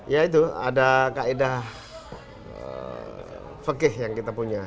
ya itu ada kaedah fakih yang kita punya